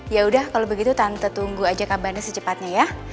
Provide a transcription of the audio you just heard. yaudah kalau begitu tante tunggu aja kabarnya secepatnya ya